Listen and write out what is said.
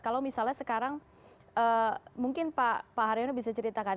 kalau misalnya sekarang mungkin pak haryono bisa ceritakan